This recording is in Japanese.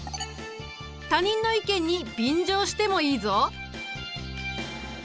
他人の意見に便乗してもいいぞ。